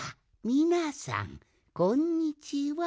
みなさんこんにちは。